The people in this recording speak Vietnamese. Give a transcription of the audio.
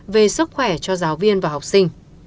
về sức khỏe cho giáo viên và học sinh